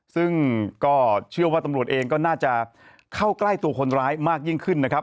ซึ่งก็เชื่อว่าตำรวจเองก็น่าจะเข้าใกล้ตัวคนร้ายมากยิ่งขึ้นนะครับ